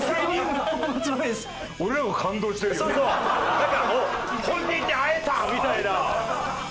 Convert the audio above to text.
だからもう「本人に会えた！」みたいな。